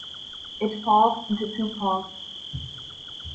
It falls into two parts.